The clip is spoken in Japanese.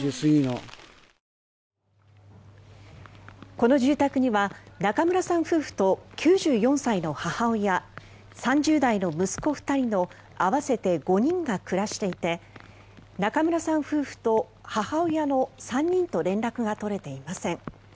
この住宅には中村さん夫婦と９４歳の母親３０代の息子２人の合わせて５人が暮らしていて中村さん夫婦と母親の３人と連絡が取れていません。